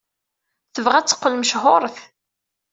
Tebɣa ad teqqel mechuṛet.